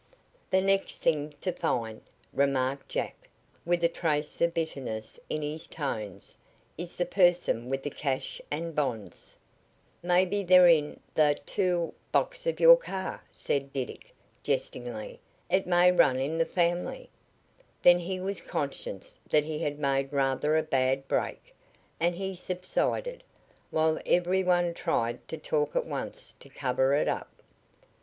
"The next thing to find," remarked jack, with a trace of bitterness in his tones, "is the person with the cash and the bonds." "Maybe they're in the tool box of your car," said Diddick jestingly. "It may run in the family " Then he was conscious that he had made rather a bad "break," and he subsided, while every one tried to talk at once to cover it up.